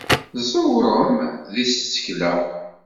Tẓewrem deg tsekla.